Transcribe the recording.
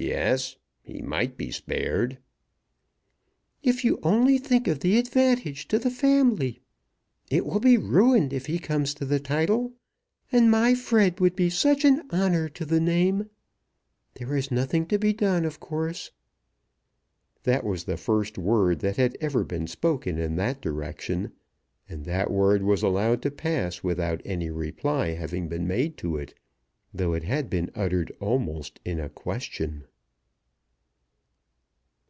"Yes; he might be spared." "If you only think of the advantage to the family! It will be ruined if he comes to the title. And my Fred would be such an honour to the name! There is nothing to be done, of course." That was the first word that had ever been spoken in that direction, and that word was allowed to pass without any reply having been made to it, though it had been uttered almost in a question.